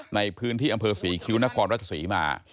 ในพื้นที่อำเภอศรีคิ้วนครราชศรีมา